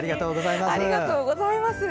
ありがとうございます。